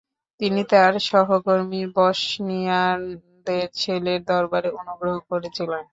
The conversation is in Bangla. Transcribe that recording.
তিনি তাঁর সহকর্মী বসনিয়ানদের ছেলের দরবারে অনুগ্রহ করেছিলেন।